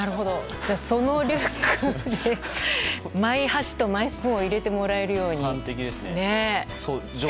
そのリュックにマイ箸とマイスプーンを入れてもらえるように。